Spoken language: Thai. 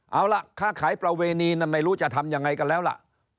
เอาล่ะค่าขายประเวณีนั้นไม่รู้จะทำยังไงกันแล้วล่ะ